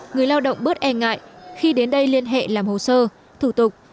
người lao động bớt e ngại khi đến đây liên hệ làm hồ sơ thủ tục